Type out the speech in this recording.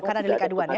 karena delik aduan ya